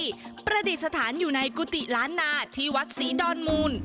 จากครองมีบริการใกล้่านอยู่ในกุธิลานนาที่วัดซีดอนมูล